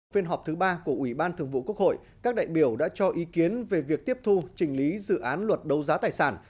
phiên họp thứ ba của ủy ban thường vụ quốc hội các đại biểu đã cho ý kiến về việc tiếp thu trình lý dự án luật đấu giá tài sản